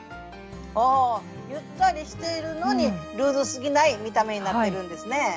ああゆったりしているのにルーズすぎない見た目になってるんですね。